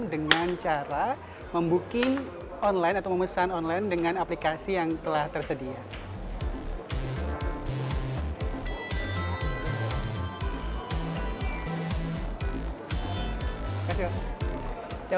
dengan cara membooking online atau memesan online dengan aplikasi yang telah tersedia